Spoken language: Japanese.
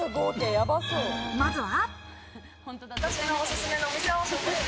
まずは。